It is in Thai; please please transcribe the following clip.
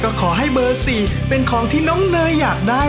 หมวกปีกดีกว่าหมวกปีกดีกว่า